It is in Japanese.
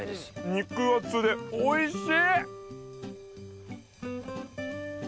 肉厚でおいしい！